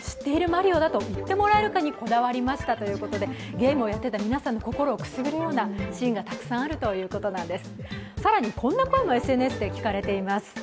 ゲームをやっている皆さんの心をくすぐるようなシーンがたくさんあるということなんです。